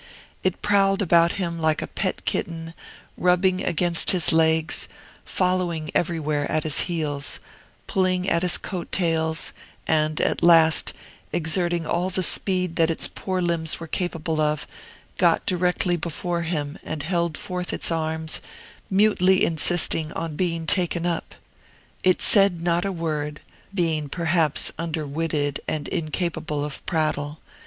It prowled about him like a pet kitten, rubbing against his legs, following everywhere at his heels, pulling at his coat tails, and, at last, exerting all the speed that its poor limbs were capable of, got directly before him and held forth its arms, mutely insisting on being taken up. It said not a word, being perhaps under witted and incapable of prattle.